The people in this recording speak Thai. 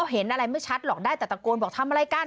เห็นอะไรไม่ชัดหรอกได้แต่ตะโกนบอกทำอะไรกัน